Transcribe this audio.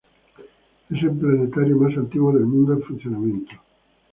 Es el planetario más antiguo del mundo en funcionamiento.